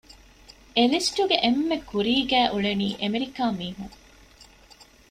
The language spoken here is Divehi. އެ ލިސްޓްގެ އެންމެ ކުރީގައި އުޅެނީ އެމެރިކާ މީހުން